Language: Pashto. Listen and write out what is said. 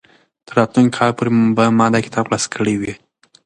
تر راتلونکي کال پورې به ما دا کتاب خلاص کړی وي.